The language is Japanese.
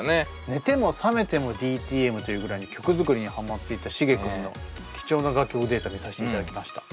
寝ても覚めてもＤＴＭというぐらい曲作りにハマっていたシゲ君の貴重な楽曲データを見させていただきました。